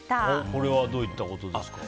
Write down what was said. これはどういったことですか？